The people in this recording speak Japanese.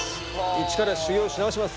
一から修業し直します。